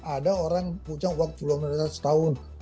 ada orang ujang waktu puluhan miliar setahun